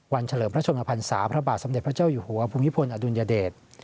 เฉลิมพระชนมพันศาพระบาทสมเด็จพระเจ้าอยู่หัวภูมิพลอดุลยเดช